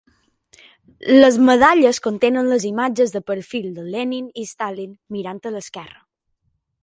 Les medalles contenen les imatges de perfil de Lenin i Stalin, mirant a l'esquerra.